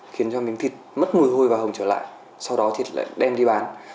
khiến cho miếng thịt mất mùi hôi và hồng trở lại sau đó thì lại đem đi bán